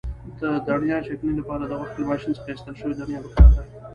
د دڼیا چکنۍ لپاره د غوښې له ماشین څخه ایستل شوې دڼیا پکار ده.